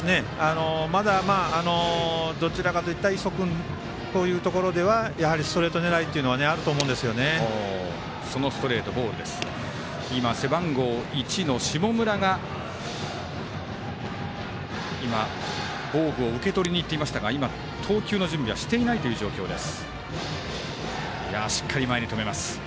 まだ、どちらかといったら磯君、こういうところではやはりストレート狙いというのは今、背番号１の下村が防具を受け取りに行っていましたが投球の準備はしていないという状況です。